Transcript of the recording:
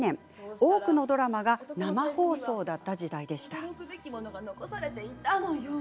多くのドラマが生放送だった時代でした。